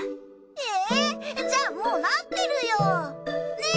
えぇじゃあもうなってるよねぇ